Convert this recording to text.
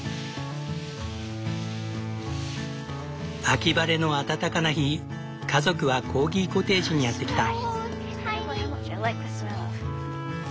秋晴れの暖かな日家族はコーギコテージにやって来た。